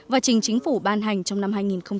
và trình chính phủ ban hành trong năm